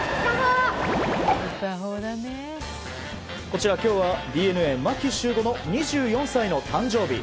こちら今日はＤｅＮＡ牧秀悟も２４歳の誕生日。